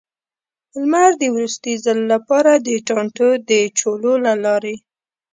لمر د وروستي ځل لپاره، د ټانټو د چولو له لارې.